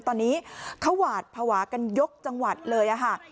ตอนนี้เขาหวาดภาวะกันยกจังหวัดเลยค่ะ